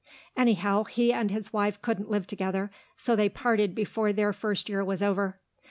Anyhow, he and his wife couldn't live together, so they parted before their first year was over.